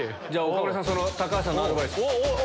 岡村さん橋さんのアドバイス。